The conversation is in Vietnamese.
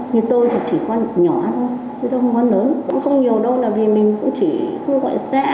như tôi thì chỉ có nhỏ thôi tôi không có lớn cũng không nhiều đâu là vì mình cũng chỉ không gọi xe